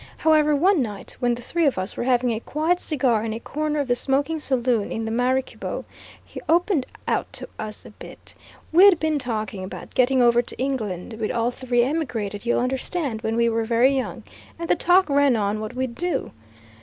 However, one night, when the three of us were having a quiet cigar in a corner of the smoking saloon in the Maraquibo, he opened out to us a bit. We'd been talking about getting over to England we'd all three emigrated, you'll understand, when we were very young and the talk ran on what we'd do.